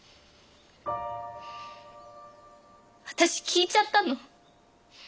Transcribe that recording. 私聞いちゃったの。